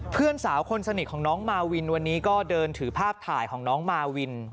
เพื่อนสาวคนสนิทของน้องมาวินวันนี้ก็เดินถือภาพถ่ายของน้องมาวิน